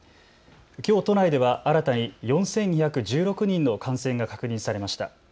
きょう都内では新たに４２１６人の感染が確認されました。